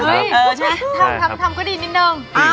ทำก็ดีนิดนึง